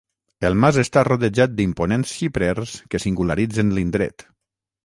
El mas està rodejat d'imponents xiprers que singularitzen l’indret.